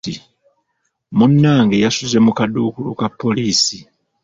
Munnange yasuze mu kaduukulu ka poliisi.